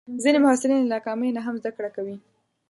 ځینې محصلین له ناکامۍ نه هم زده کړه کوي.